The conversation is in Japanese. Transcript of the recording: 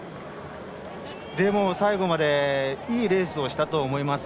でも最後までいいレースをしたと思います。